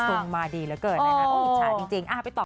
สูงมาดีเหลือเกิดนะครับอุ้ยอิจฉาดจริง